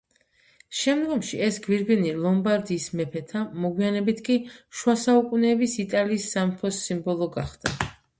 შემდგომში ეს გვირგვინი ლომბარდიის მეფეთა, მოგვიანებით კი შუასაუკუნეების იტალიის სამეფოს სიმბოლო გახდა.